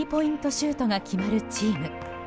シュートが決まるチーム。